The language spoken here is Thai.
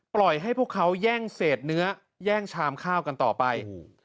ปล่อยให้พวกเขาแย่งเศษเนื้อแย่งชามข้าวกันต่อไป